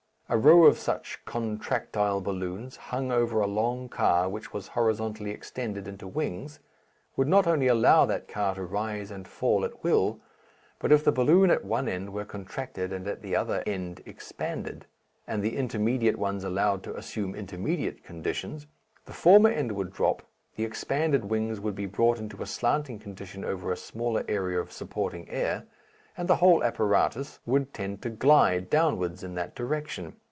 A row of such contractile balloons, hung over a long car which was horizontally expanded into wings, would not only allow that car to rise and fall at will, but if the balloon at one end were contracted and that at the other end expanded, and the intermediate ones allowed to assume intermediate conditions, the former end would drop, the expanded wings would be brought into a slanting condition over a smaller area of supporting air, and the whole apparatus would tend to glide downwards in that direction.